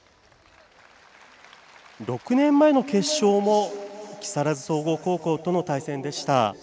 ６年前の決勝も木更津総合高校との対戦でした。